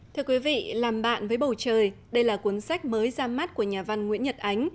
thưa quý vị làm bạn với bầu trời đây là cuốn sách mới ra mắt của nhà văn nguyễn nhật ánh